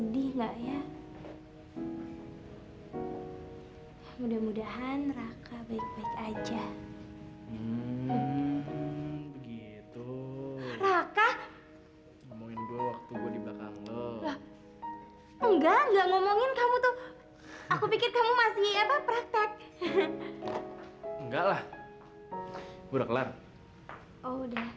berapa praktek enggak lah udah kelar udah ngomongin apa enggak ngomongin apa apa kamu